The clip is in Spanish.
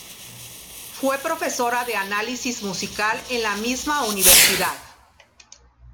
Fue profesora de Análisis Musical en la misma universidad.